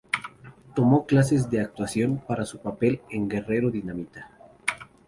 Tomó clases de actuación para su papel en Guerrero Dinamita.